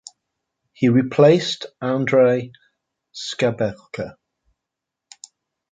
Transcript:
He replaced Andrei Skabelka.